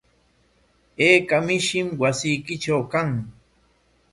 ¿Ayka mishim wasiykitraw kan?